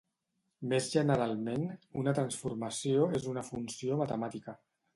Més generalment, una transformació és una funció matemàtica.